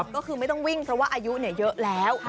ก็คือไม่ต้องวิ่งเพราะว่าอายุเยอะแล้ว